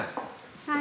はい。